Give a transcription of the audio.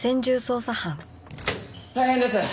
大変です！